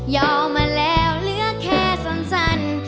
ยอมมาแล้วเหลือแค่ส่วนสั้น